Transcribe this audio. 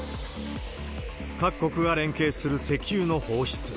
各国が連携する石油の放出。